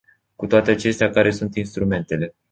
Cu toate acestea, care sunt instrumentele?